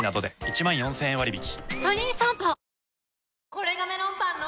これがメロンパンの！